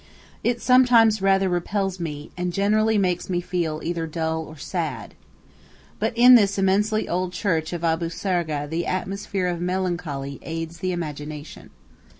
It sometimes rather repels me, and generally make me feel either dull or sad. But in this immensely old church of Abu Sargah the atmosphere of melancholy aids the imagination.